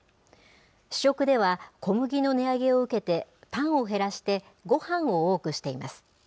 主食では、小麦の値上げを受けて、パンを減らしてごはんを多くしています。